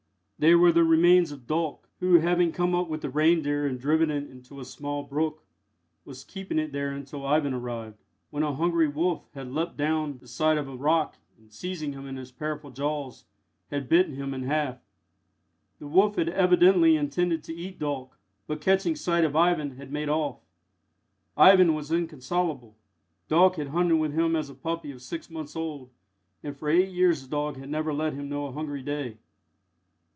They were the remains of Dolk, who, having come up with the reindeer and driven it into a small brook, was keeping it there until Ivan arrived, when a hungry wolf had leaped down the side of a rock and, seizing him in his powerful jaws, had bitten him in half. The wolf had evidently intended to eat Dolk, but, catching sight of Ivan, had made off. Ivan was inconsolable. Dolk had hunted with him as a puppy of six months old, and for eight years the dog had never let him know a hungry day.